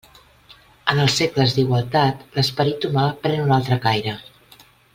En els segles d'igualtat, l'esperit humà pren un altre caire.